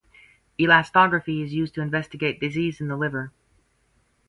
Elastography is used to investigate disease in the liver.